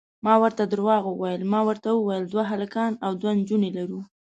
ما ورته درواغ وویل، ما ورته وویل دوه هلکان او دوې نجونې لرو.